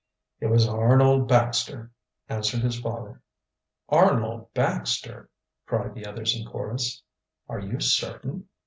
"It was Arnold Baxter," answered his father. "Arnold Baxter!" cried the others in chorus. "Are you certain?"